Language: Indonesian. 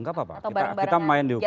gak apa apa kita main di ukra